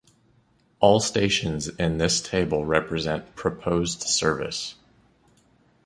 All stations in this table represent proposed service.